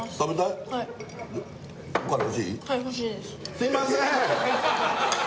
すいません！